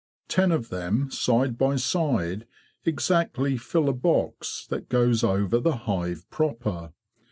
Ten of them side by side exactly fill a box that goes over the hive proper.